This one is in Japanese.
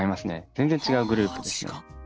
全然違うグループですね。